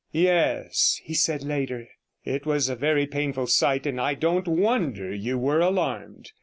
'Yes,' he said later, 'it was a very painful sight, and I don't wonder you were alarmed.